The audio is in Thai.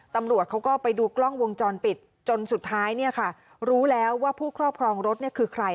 ตำรวจเขาก็ไปดูกล้องวงจรปิดจนสุดท้ายเนี่ยค่ะรู้แล้วว่าผู้ครอบครองรถคือใคร